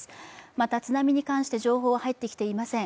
また、津波に関して情報は入ってきていません。